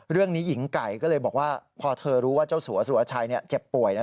หญิงไก่ก็เลยบอกว่าพอเธอรู้ว่าเจ้าสัวสุรชัยเจ็บป่วย